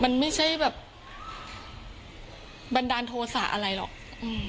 มันไม่ใช่แบบบันดาลโทษะอะไรหรอกอืม